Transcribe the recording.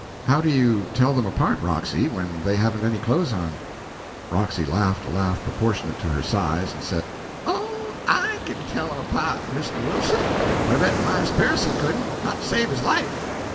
"How do you tell them apart, Roxy, when they haven't any clothes on?" Roxy laughed a laugh proportioned to her size, and said: "Oh, I kin tell 'em 'part, Misto Wilson, but I bet Marse Percy couldn't, not to save his life."